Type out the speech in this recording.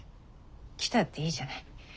来たっていいじゃない。